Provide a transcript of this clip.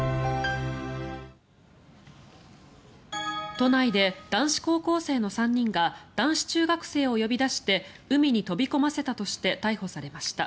都内で男子高校生の３人が男子中学生を呼び出して海に飛び込ませたとして逮捕されました。